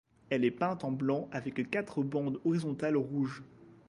Elle est peinte en blanc avec quatre bandes horizontales rouges.